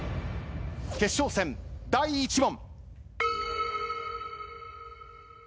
決勝戦第１問。